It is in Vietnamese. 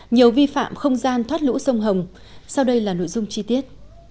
nhiều vi phạm không gian thoát lũ sông hồng sau đây là nội dung chi tiết